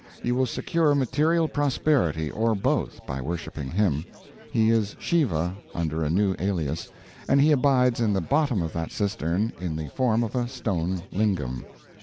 You will secure material prosperity, or both, by worshiping him. He is Shiva, under a new alias, and he abides in the bottom of that cistern, in the form of a stone lingam.